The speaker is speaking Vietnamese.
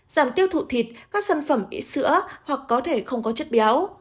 giảm tiêu thụ thịt các sản phẩm ít sữa hoặc có thể không có chất béo